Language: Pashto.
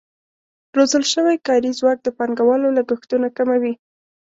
روزل شوی کاري ځواک د پانګوالو لګښتونه کموي.